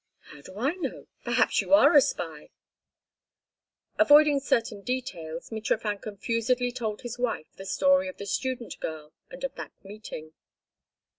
"How do I know? Perhaps you are a spy." Avoiding certain details, Mitrofan confusedly told his wife the story of the student girl and of that meeting.